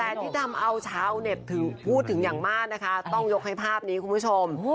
แต่ที่ทำเอาชาวเน็ตพูดถึงอย่างมากนะคะต้องยกให้ภาพนี้คุณผู้ชม